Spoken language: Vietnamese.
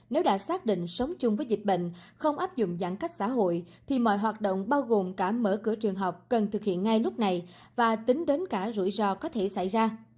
nếu đã xác định sống chung với dịch bệnh không áp dụng giãn cách xã hội thì mọi hoạt động bao gồm cả mở cửa trường học cần thực hiện ngay lúc này và tính đến cả rủi ro có thể xảy ra